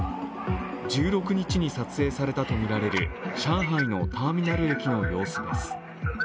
１６日に撮影されたとみられる上海のターミナル駅の様子です。